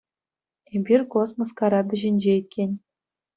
Эпир космос карапӗ ҫинче иккен.